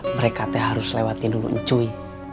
mereka harus lewatin dulu ucuy